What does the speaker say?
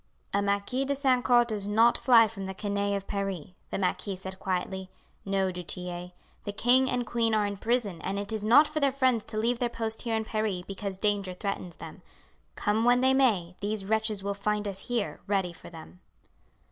"A Marquis de St. Caux does not fly from the canaille of Paris," the marquis said quietly. "No, Du Tillet; the king and queen are in prison, and it is not for their friends to leave their post here in Paris because danger threatens them; come when they may, these wretches will find us here ready for them."